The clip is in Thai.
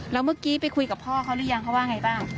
แล้วเมื่อกี้ไปคุยกับพ่อเขาหรือยังเขาว่าไงบ้าง